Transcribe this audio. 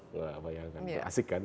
gak asik kan